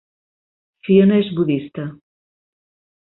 Fiona és budista.